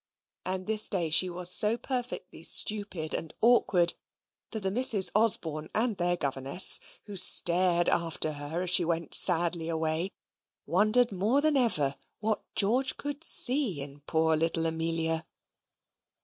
And this day she was so perfectly stupid and awkward, that the Misses Osborne and their governess, who stared after her as she went sadly away, wondered more than ever what George could see in poor little Amelia.